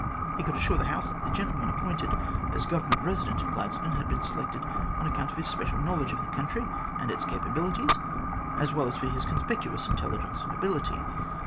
He could assure the House that the gentleman appointed as Government Resident at Gladstone, had been selected on account of his special knowledge of the country and its capabilities, as well as for his conspicuous intelligence and ability.